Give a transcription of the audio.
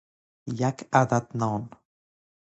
یک عدد نان